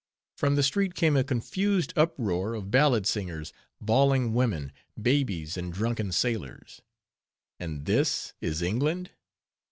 From the street came a confused uproar of ballad singers, bawling women, babies, and drunken sailors. And this is England?